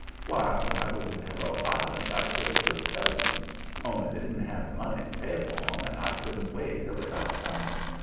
Why, when I was in Hello Island I could have took dozens, only they didn't have the money to pay for 'em and I couldn't wait till they got some.